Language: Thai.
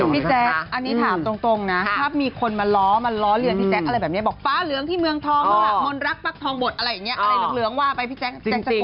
พี่แจ๊กอันนี้ถามตรงนะฮะถ้ามีคนมาล้อมาล้อเรื่องพี่แจ๊กอะไรแบบนี้บอกฟ้าเหลืองที่เมืองทองมากมนรักปรักษ์ทองบดอะไรอย่างเงี้ยอะไรเหลืองว่าไปพี่แจ๊กจะโกรธไหม